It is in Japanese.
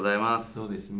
そうですね。